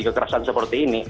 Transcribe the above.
kekerasan seperti ini